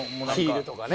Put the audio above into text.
ヒールとかね。